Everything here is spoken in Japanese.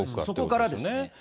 そこからですよ。